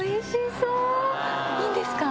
いいんですか？